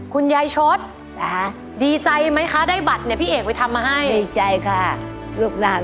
คุณยายชดดีใจไหมคะได้บัตรเนี่ยพี่เอกไปทำมาให้คุณยายชดดีใจไหมคะได้บัตรเนี่ยพี่เอกไปทำมาให้